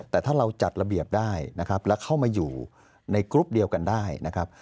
แต่ถ้าเราจัดระเบียบได้นะครับแล้วเข้ามาอยู่ในกรุ๊ปเดียวกันได้นะครับ